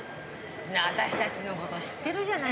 私たちのこと知ってるじゃないですか。